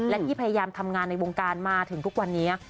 และที่พยายามทำงานในวงการมาถึงทุกวันนี้